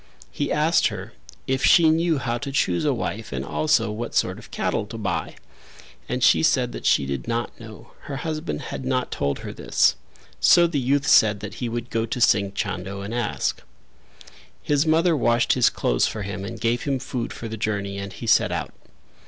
He asked her if she knew how to choose a wife and also what sort of cattle to buy, and she said that she did not know; her husband had not told her this. So the youth said that he would go to Singh Chando and ask. His mother washed his clothes for him and gave him food for the journey and he set out.